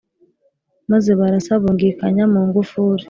maze barasa bungikanya mu ngufuri